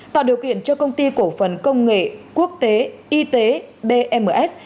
tạo điều kiện cho công ty cổ phần công nghệ quốc tế y tế bms